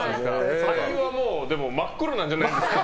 肺は真っ黒なんじゃないですか。